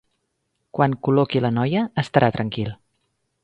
Quan col·loqui la noia, estarà tranquil.